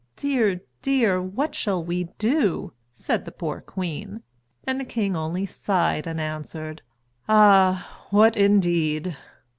"Dear! dear! what shall we do?" said the poor queen, and the king only sighed and answered, "Ah, what indeed!"